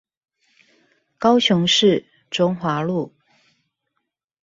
高雄市中華路